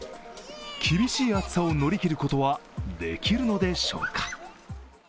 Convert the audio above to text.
厳しい暑さを乗り切ることはできるのでしょうか。